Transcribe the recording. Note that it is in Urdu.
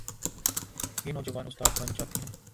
یہ نوجوان استاد بن جاتے ہیں۔